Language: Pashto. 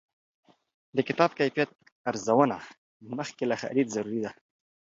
د کتاب کیفیت ارزونه مخکې له خرید ضروري ده.